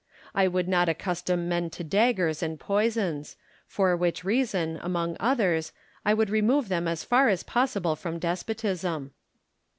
I would not accustom men to daggers and poisons; for which reason, among others, I would remove them as far as possible from despotism.